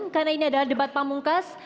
dalam debat pamungkas